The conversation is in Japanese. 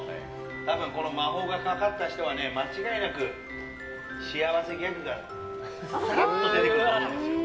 多分この魔法がかかった人は間違いなく、幸せギャグがさらっと出てくると思うんです。